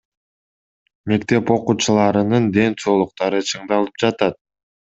Мектеп окуучуларынын ден соолуктары чыңдалып жатат.